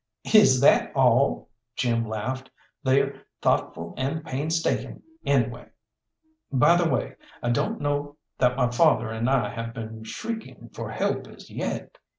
"Is that all?" Jim laughed. "They're thoughtful and painstaking, anyway. By the way, I don't know that my father and I have been shrieking for help as yet."